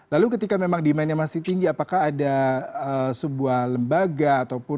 lalu ketika memang demandnya masih tinggi apakah ada sebuah lembaga ataupun